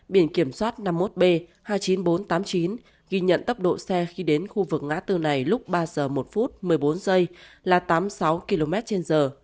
biển kiểm soát năm mươi một b hai mươi chín nghìn bốn trăm tám mươi chín ghi nhận tốc độ xe khi đến khu vực ngã tư này lúc ba giờ một phút một mươi bốn giây là tám mươi sáu km trên giờ